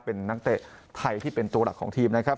เป็นนักเตะไทยที่เป็นตัวหลักของทีมนะครับ